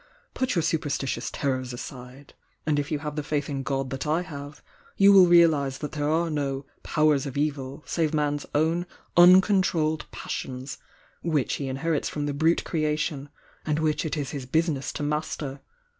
Put your superstitious terrors aside— and if you have the faith in God that I have, you will realise that there are no 'powers of evil' save man s own uncontrolled passions, which he inherits from the brute creation, and which it is his business to mas ter!